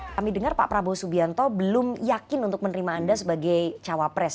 kami dengar pak prabowo subianto belum yakin untuk menerima anda sebagai cawapres